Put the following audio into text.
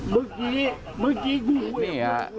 เมื่อกี้คุยกับผู้ชมครับ